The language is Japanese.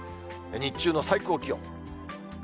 日中の最高気温。